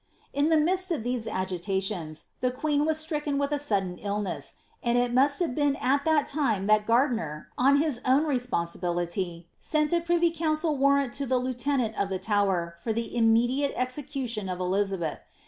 In the miilst of these agitations, the queen was stricken with a sud dm illness, and it must have been at that time that Gardiner, on his own fBponsiliility, sent a privy council warrant to the lieutenant of the Tower for the immediate execution of Elizabeth.